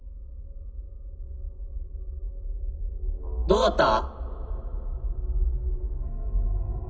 どうだった？